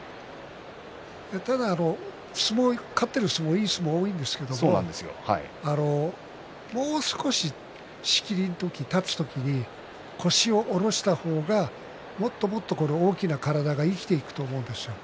ただ勝っている相撲いい相撲が多いんですけれどももう少し仕切りの時立つ時に腰を下ろした方がもっともっと大きな体が生きてくると思うんですよ。